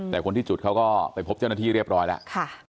แต่คนที่จุดเขาก็ไปพบเจ้าหน้าที่เรียบร้อยแล้ว